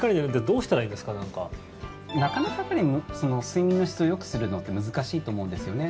なかなか、やっぱり睡眠の質をよくするのって難しいと思うんですよね。